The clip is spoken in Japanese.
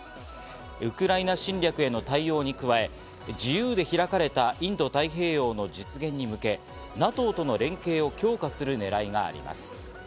ウクライナ侵略への対応に加え、自由で開かれたインド太平洋の実現に向け、ＮＡＴＯとの連携を強化する狙いがあります。